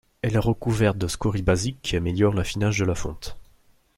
Elle est recouverte de scorie basique qui améliore l'affinage de la fonte.